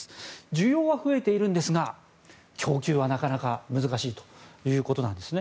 需要は増えているんですが供給は、なかなか難しいということです。